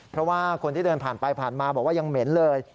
เพราะว่าคนที่เดินผ่านไปผ่านมาบอกว่ายังเหม็นเลย